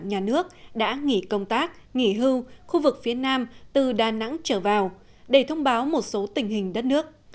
nhà nước đã nghỉ công tác nghỉ hưu khu vực phía nam từ đà nẵng trở vào để thông báo một số tình hình đất nước